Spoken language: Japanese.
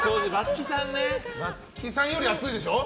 松木さんより熱いでしょ？